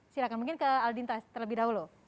silahkan mungkin ke aldinta terlebih dahulu